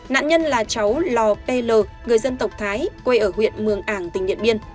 nạn nhân là cháu lo p l người dân tộc thái quê ở huyện mường ảng tỉnh nhận biên